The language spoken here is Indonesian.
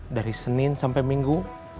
dari senin sampai minggu